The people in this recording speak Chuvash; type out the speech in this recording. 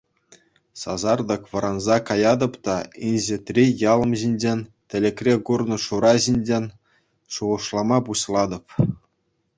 Сасартӑк вӑранса каятӑп та инҫетри ялӑм ҫинчен, тӗлӗкре курнӑ Шура ҫинчен шухӑшлама пуҫлатӑп.